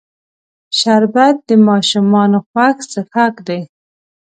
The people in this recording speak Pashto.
شربت د ماشومانو خوښ څښاک دی